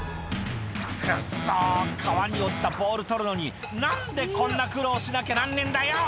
「クッソ川に落ちたボール取るのに何でこんな苦労しなきゃなんねえんだよ！」